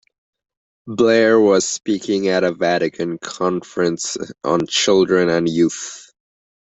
Blair was speaking at a Vatican conference on children and youth.